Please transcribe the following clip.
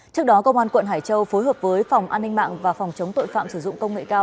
trước đó công an quận hải châu phối hợp với phòng an ninh mạng và phòng chống tội phạm sử dụng công nghệ cao